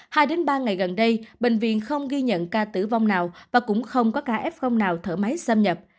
hai đến ba ngày gần đây bệnh viện không ghi nhận ca tử vong nào và cũng không có ca f nào thở máy xâm nhập